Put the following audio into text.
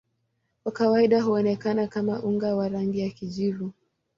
Kwa kawaida huonekana kama unga wa rangi ya kijivu.